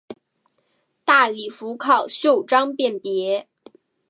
大礼服靠袖章辨别。